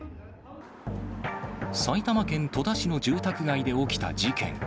埼玉県戸田市の住宅街で起きた事件。